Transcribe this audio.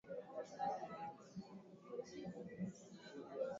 inashauriwa kupika viazi na kuvimenya